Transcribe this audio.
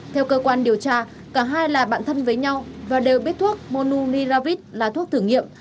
theo cơ quan điều tra cả hai là bạn thân với nhau và đều biết thuốc monu niravit là thuốc thử nghiệm